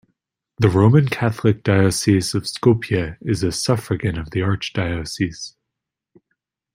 The Roman Catholic Diocese of Skopje is a suffragan of the Archdiocese.